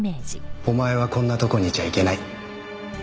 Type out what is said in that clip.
お前はこんなとこにいちゃいけない。